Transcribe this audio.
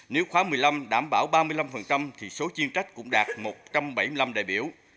nếu khóa một mươi năm đảm bảo ba mươi năm thì số chuyên trách cũng đạt một trăm bảy mươi năm đại biểu